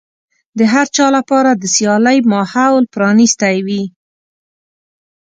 د هر چا لپاره د سيالۍ ماحول پرانيستی وي.